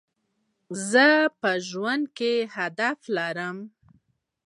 زه په ژوند کي هدف لرم.